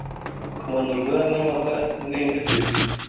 Kumanurwa n'amahwa n'inzitizi,